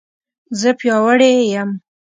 زه پیاوړې یم